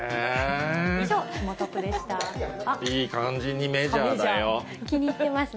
以上、いい感じにメジャーだよ。